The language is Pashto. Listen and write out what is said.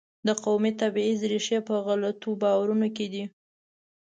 د قومي تبعیض ریښې په غلطو باورونو کې دي.